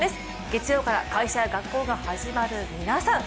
月曜から会社や学校が始まる皆さん